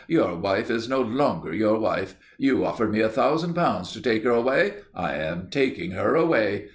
Your wife is no longer your wife. You offered me a thousand pounds to take her away. I am taking her away.